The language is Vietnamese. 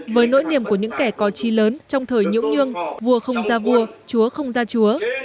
với nỗi niềm của những kẻ có chi lớn trong thời nhũ nhương vua không ra vua chúa không ra chúa